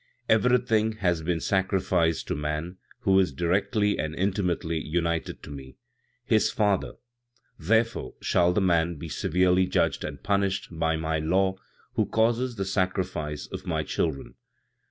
"Everything has been sacrificed to man, who is directly and intimately united to me, his Father; therefore, shall the man be severely judged and punished, by my law, who causes the sacrifice of my children.